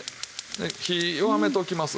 で火弱めておきます。